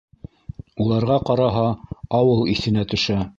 Уларға ҡараһа, ауыл иҫенә төшә.